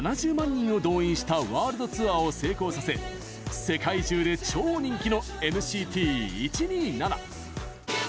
人を動員したワールドツアーを成功させ世界中で超人気のＮＣＴ１２７。